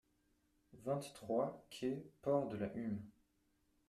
vingt-trois quai Port de la Hume